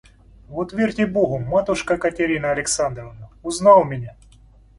Вот верьте Богу, матушка Катерина Александровна, узнал меня!